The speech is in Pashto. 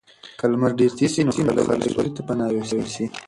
که لمر ډېر تېز شي نو خلک به سیوري ته پناه یوسي.